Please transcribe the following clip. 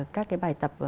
các cái bài tập